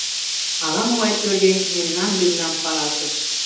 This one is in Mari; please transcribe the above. Ала-могай пӧръеҥ мемнан лӱмнам каласыш.